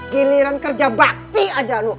giliran kerja bakti aja loh